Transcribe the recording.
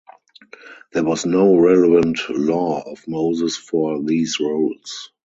There was no relevant law of Moses for these roles.